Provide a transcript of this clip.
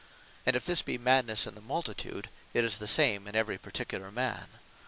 And if this be Madnesse in the multitude, it is the same in every particular man.